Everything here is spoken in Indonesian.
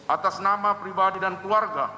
atas nama pribadi dan keluarga